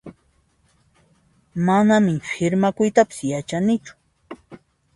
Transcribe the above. Manan ni firmaykuytapas yachanichu